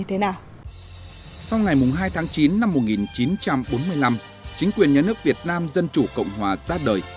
sau ngày hai tháng chín năm một nghìn chín trăm bốn mươi năm chính quyền nhà nước việt nam dân chủ cộng hòa ra đời